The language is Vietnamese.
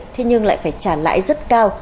thế nhưng lại phải trả lãi rất cao